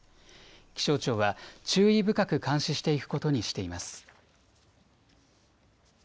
気象庁は注意深く監視していくことにしています。